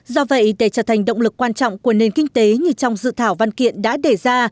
do vậy để trở thành động lực quan trọng của nền kinh tế như trong dự thảo văn kiện đã đề ra